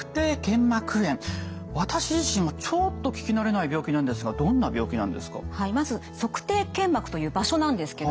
私自身はちょっと聞き慣れない病気なんですがどんな病気なんですか？